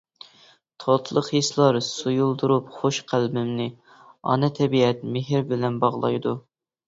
تاتلىق ھېسلار سۇيۇلدۇرۇپ خوش قەلبىمنى، ئانا تەبىئەت مېھرى بىلەن باغلايدۇ.